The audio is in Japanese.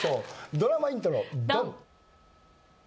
ドラマイントロドン！